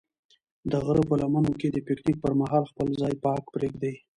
د غره په لمنو کې د پکنیک پر مهال خپل ځای پاک پرېږدئ.